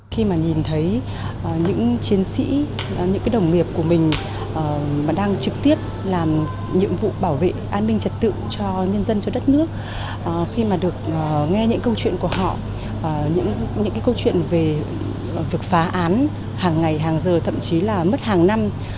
khi mà nhìn thấy những chiến sĩ những cái đồng nghiệp của mình đang trực tiếp làm nhiệm vụ bảo vệ an ninh trật tự cho nhân dân cho đất nước khi mà được nghe những câu chuyện của họ những cái câu chuyện về việc phá án hàng ngày hàng giờ thậm chí là mất hàng năm